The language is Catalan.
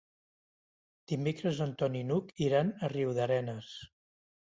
Dimecres en Ton i n'Hug iran a Riudarenes.